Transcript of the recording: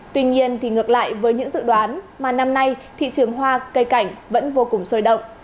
tuy nhiên thì ngược lại với những dự đoán mà năm nay thị trường hoa cây cảnh vẫn vô cùng sôi động